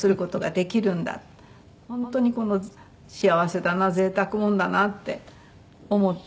本当に幸せだな贅沢者だなって思って。